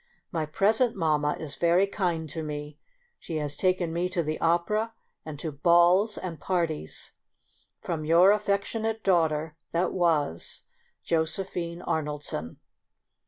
My present mamma is very kind to me ; she has taken me to the opera and to balls and parties. From your affectionate daughter, that was, Josephine Arnoldson.